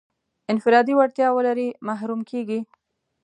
انفرادي وړتیا ولري محروم کېږي.